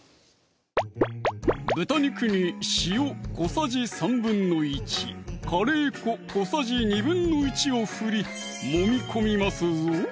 豚肉に塩小さじ１／３・カレー粉小さじ１／２を振り揉み込みますぞ